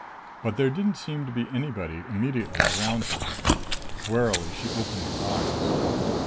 But there didn't seem to be anybody immediately around her. Warily she opened her eyes.